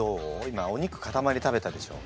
今お肉かたまり食べたでしょ。